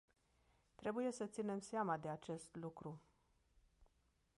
Trebuie să ținem seama de acest lucru.